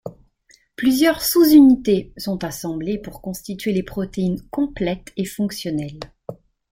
Plusieurs sous-unités sont assemblées pour constituer les protéines complètes et fonctionnelles.